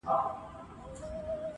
وجود بار لري هر کله په تېرو تېرو ازغیو,